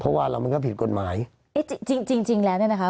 เพราะว่าเรามันก็ผิดกฎหมายเอ๊ะจริงจริงจริงแล้วเนี่ยนะคะ